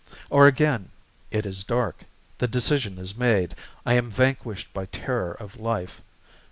Or again: "It is dark. The decision is made. I am vanquished By terror of life.